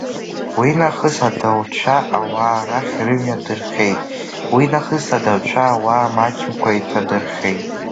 Уи нахыс адауцәа ауаа рахь рымҩа дырхеит, уи нахыс адауцәа ауаа маҷымкәа иҭадырхеит.